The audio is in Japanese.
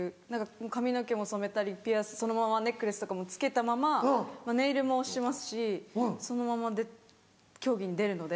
髪の毛も染めたりピアスそのままネックレスとかも着けたままネイルもしますしそのまま競技に出るので。